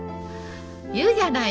言うじゃないの。